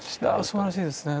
すばらしいですね